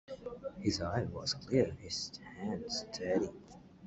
His eye was clear, his hand steady.